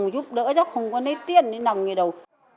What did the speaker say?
giúp đỡ cho cháu không có nấy tiền để nằm như thế đâu